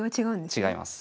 違います。